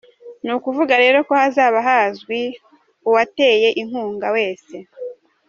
Ni ukuvuga rero ko hazaba hazwi uwateye inkunga wese.